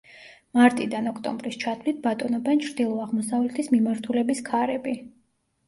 მარტიდან ოქტომბრის ჩათვლით ბატონობენ ჩრდილო-აღმოსავლეთის მიმართულების ქარები.